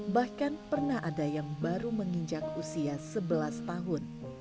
bahkan pernah ada yang baru menginjak usia sebelas tahun